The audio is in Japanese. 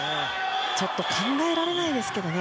ちょっと考えられないですけどね。